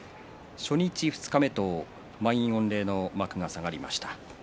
初日、二日目と満員御礼の幕が下がりました。